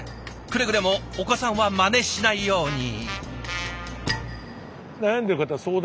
くれぐれもお子さんはまねしないように。